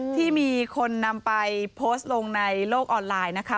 ที่มีคนนำไปโพสต์ลงในโลกออนไลน์นะคะ